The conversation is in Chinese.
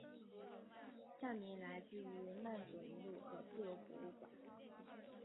站名来自于曼佐尼路和自由博物馆。